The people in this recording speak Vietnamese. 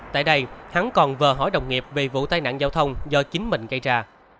tại đây hắn còn vờ hỏi đồng nghiệp về vụ tai nạn giao thông do chính mình gây ra